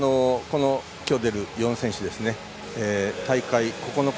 まず今日出る４選手ですね